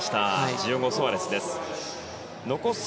ジオゴ・ソアレスです。